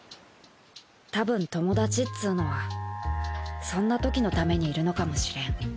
たぶん友達っつうのはそんなときのためにいるのかもしれん。